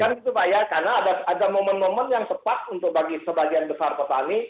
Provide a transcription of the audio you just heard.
karena ya karena ada momen momen yang tepat untuk bagi sebagian besar petani